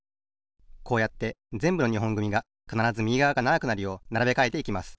こうやってぜんぶの２ほんぐみがかならずみぎがわがながくなるようならべかえていきます。